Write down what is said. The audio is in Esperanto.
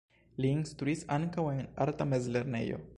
Li instruis ankaŭ en arta mezlernejo.